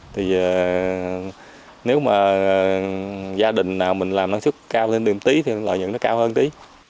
thì nếu mà gia đình nào mình làm năng suất cao thêm tiền tí thì lợi nhận nó cao hơn tí